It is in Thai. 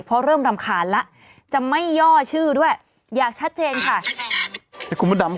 เพราะเริ่มรำขาดละจะไม่ย่อชื่อด้วยอยากชัดเจนค่ะแต่คุณบดำ